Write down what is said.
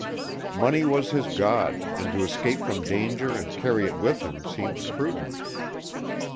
Money was his god, and to escape from danger and carry it with him seemed prudent.